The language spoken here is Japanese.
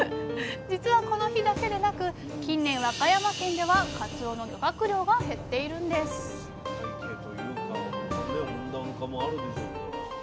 実はこの日だけでなく近年和歌山県ではかつおの漁獲量が減っているんです生態系というか温暖化もあるでしょうから。